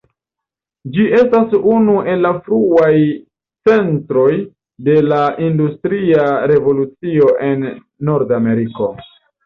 Ĝi estas unu el la fruaj centroj de la Industria Revolucio en Nordameriko.